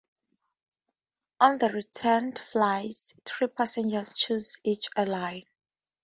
On the return flight, three passengers chose each airline.